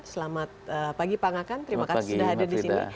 selamat pagi pak ngakan terima kasih sudah hadir disini